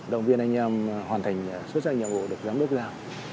động viên anh em hoàn thành xuất sắc nhiệm vụ được giám đốc giao